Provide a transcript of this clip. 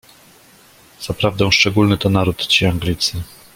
"Zaprawdę, szczególny to naród ci Anglicy."